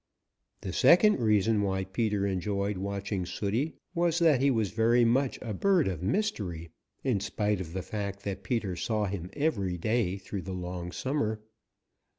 The second reason why Peter enjoyed watching Sooty was that he was very much a bird of mystery, in spite of the fact that Peter saw him every day through the long summer.